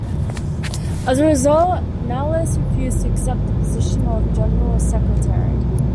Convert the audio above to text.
As a result, Nahles refused to accept the position of general secretary.